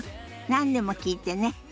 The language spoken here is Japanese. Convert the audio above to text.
何でも聞いてね。